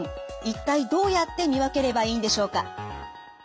一体どうやって見分ければいいんでしょうか？